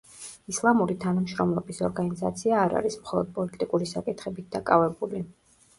ისლამური თანამშრომლობის ორგანიზაცია არ არის მხოლოდ პოლიტიკური საკითხებით დაკავებული.